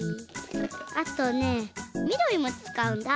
あとねみどりもつかうんだ。